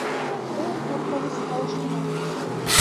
Ул ҡурҡыныс тауыш менән: